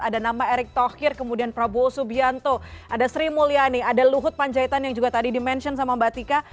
ada nama erick thohir kemudian prabowo subianto ada sri mulyani ada luhut panjaitan yang juga tadi di mention sama mbak tika